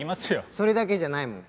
それだけじゃないもん。